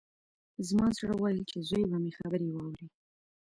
زما زړه ويل چې زوی به مې خبرې واوري.